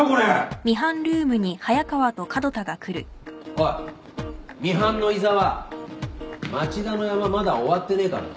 おいミハンの井沢町田のヤマまだ終わってねえからな。